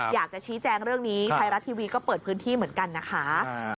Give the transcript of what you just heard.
อยากจะชี้แจงเรื่องนี้ไทยรัฐทีวีก็เปิดพื้นที่เหมือนกันนะคะ